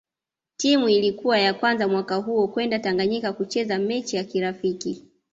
Timu Ilikuwa ya kwanza mwaka huo kwenda Tanganyika kucheza mechi ya kirafiki